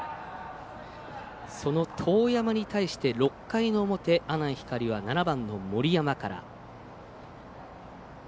その當山に対して６回の表、阿南光は７番の森山から。